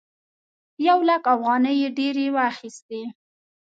یو لک افغانۍ یې ډېرې واخيستې.